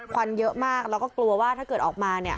ควันเยอะมากแล้วก็กลัวว่าถ้าเกิดออกมาเนี่ย